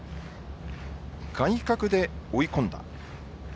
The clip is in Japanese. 外角で追い込んだ。